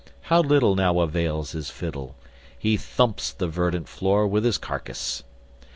How little now avails his fiddle! He thumps the verdant floor with his carcass.